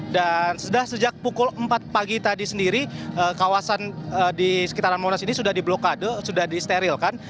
dan sudah sejak pukul empat pagi tadi sendiri kawasan di sekitaran monas ini sudah di blokade sudah disterilkan